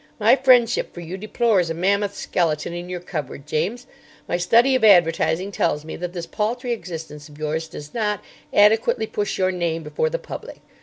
My friendship for you deplores a mammoth skeleton in your cupboard, James. My study of advertising tells me that this paltry existence of yours does not adequately push your name before the public.